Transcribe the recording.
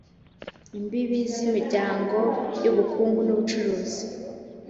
imbibi z imiryango y ubukungu n ubucuruzi